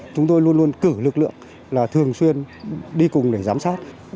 chúng tôi luôn luôn cử lực lượng là thường xuyên đi cùng để giám sát